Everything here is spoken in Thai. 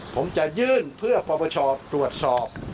ผมจะยื่นเพื่อประประชาติตรวจสอบ